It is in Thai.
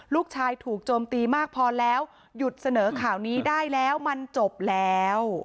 ลูกชายถูกโจมตีมากพอแล้วหยุดเสนอข่าวนี้ได้แล้วมันจบแล้ว